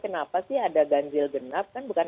kenapa sih ada ganjil genap kan bukan